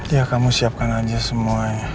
ya kamu siapkan aja semuanya